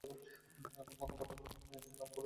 কখন প্রথমে নাম ভুলে যাবো?